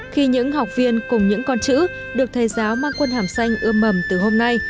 khi những học viên cùng những con chữ được thầy giáo mang quân hàm xanh ưa mầm từ hôm nay